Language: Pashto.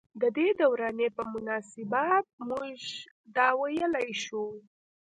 ددې دورانيې پۀ مناسبت مونږدا وئيلی شو ۔